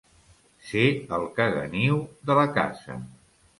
Ser el caganiu de la casa.